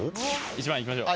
１番いきましょう。